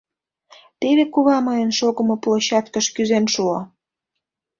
Теве кува мыйын шогымо площадкыш кӱзен шуо.